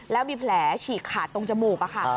แล้วมีแผลฉีกขาดตรงจมูกค่ะ